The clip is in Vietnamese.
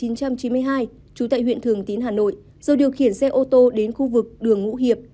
năm một nghìn chín trăm chín mươi hai chú tại huyện thường tín tp hà nội do điều khiển xe ô tô đến khu vực đường ngũ hiệp